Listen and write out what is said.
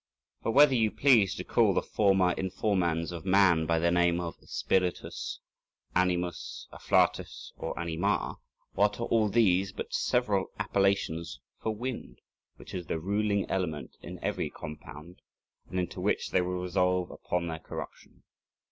For whether you please to call the forma informans of man by the name of spiritus, animus, afflatus, or anima, what are all these but several appellations for wind, which is the ruling element in every compound, and into which they all resolve upon their corruption.